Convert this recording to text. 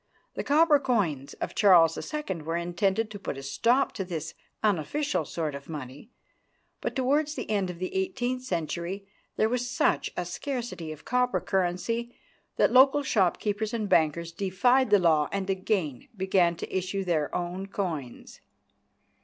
The copper coins of Charles II. were intended to put a stop to this unofficial sort of money, but towards the end of the eighteenth century there was such a scarcity of copper currency that local shopkeepers and bankers defied the law and again began to issue their own coins.